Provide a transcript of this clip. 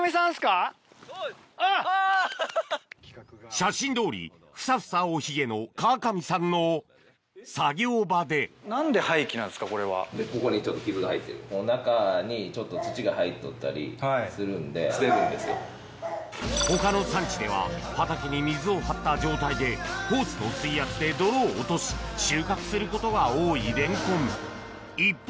写真どおりフサフサおヒゲの川上さんの作業場で他の産地では畑に水を張った状態でホースの水圧で泥を落とし収穫することが多いレンコン一方